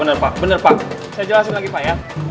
saya jelasin lagi pak